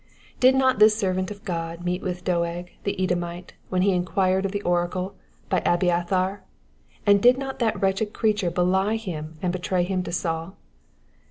Did not this servant of God meet with Doeg the Edomite when he enquired of the oracle by Abiathar, and did not that wretched creature belie him and betray him to Baul